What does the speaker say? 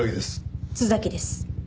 津崎です。